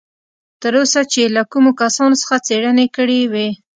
تر اوسه چې یې له کومو کسانو څخه څېړنې کړې وې.